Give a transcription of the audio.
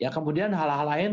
kemudian hal hal lain